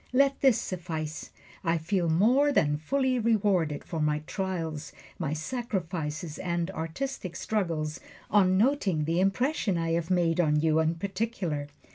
Let this suffice: I feel more than fully rewarded for my trials, my sacrifices and artistic struggles, on noting the impression I have made on you in particular.